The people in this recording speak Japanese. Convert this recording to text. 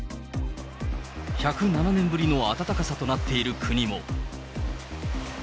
１０７年ぶりの暖かさとなっている国も。